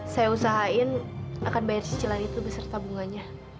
saya usahain akan bayar cicilan itu beserta bunganya